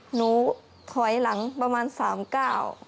หนูถอยหลังประมาณสามเก้า